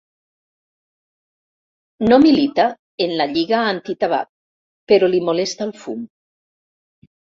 No milita en la lliga antitabac, però li molesta el fum.